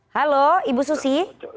halo ibu susi